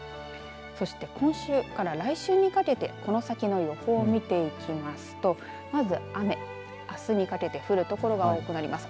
そして今週から来週にかけてこの先の予報を見ていきますとまず雨、あすにかけて降る所が多くなります。